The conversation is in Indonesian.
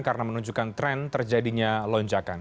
karena menunjukkan tren terjadinya lonjakan